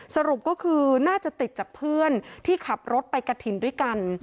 สรุปก็คือน่าจะติดจากเพื่อนที่ขับรถไปกระถิ่นด้วยกัน